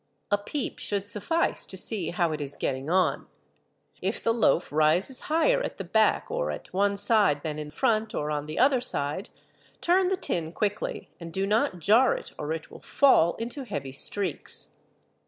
A peep should suffice to see how it is getting on. If the loaf rises higher at the back or at one side than in front or on the other side, turn the tin quickly, and do not jar it, or it will "fall" into heavy streaks.